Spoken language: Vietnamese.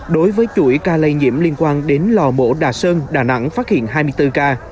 đối với chuỗi ca lây nhiễm liên quan đến lò mổ đà sơn đà nẵng phát hiện hai mươi bốn ca